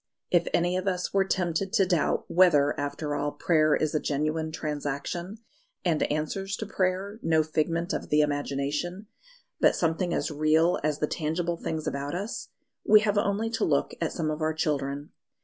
If any of us were tempted to doubt whether, after all, prayer is a genuine transaction, and answers to prayer no figment of the imagination but something as real as the tangible things about us we have only to look at some of our children.